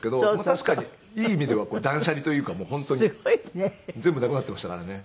確かにいい意味では断捨離というか本当に全部なくなってましたからね。